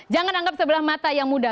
jangan anggap sebelah mata yang muda